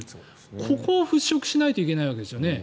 ここを払しょくしないといけないわけです